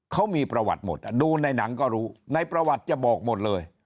เขามีประวัติหมดดูในหนังก็รู้ในประวัติจะบอกหมดเลย